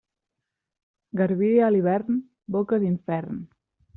Garbí a l'hivern, boca d'infern.